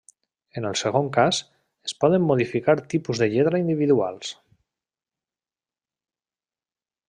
En el segon cas, es poden modificar tipus de lletra individuals.